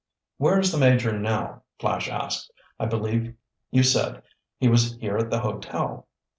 "Where is the Major now?" Flash asked. "I believe you said he was here at the hotel."